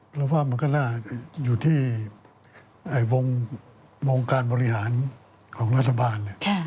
เพราะว่ามันก็น่าอยู่ที่วงการบริหารของรัฐบาล